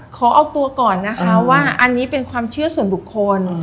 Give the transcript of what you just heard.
ขอเอาตัวก่อนนะคะว่าอันนี้เป็นความเชื่อส่วนบุคคล